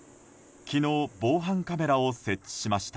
昨日防犯カメラを設置しました。